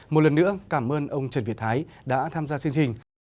một lần nữa cảm ơn ông trần việt thái đã tham gia chương trình